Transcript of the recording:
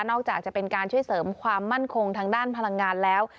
อกจากจะเป็นการช่วยเสริมความมั่นคงทางด้านพลังงานแล้ว